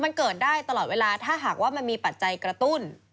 มันเกิดได้ตลอดเวลาถ้าหากว่ามันมีปัจจัยกระตุ้น